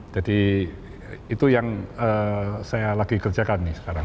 jadi itu yang saya lagi kerjakan nih sekarang